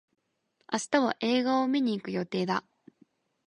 明日は映画を観に行く予定だ。